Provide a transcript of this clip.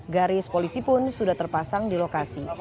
garis polisi pun sudah terpasang di lokasi